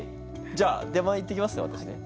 じゃあ出前行ってきますねわたしね。